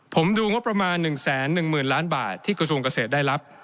ผมดูงบประมาณ๑๑๐๐๐ล้านบาทที่กระทรวงเกษตรได้รับ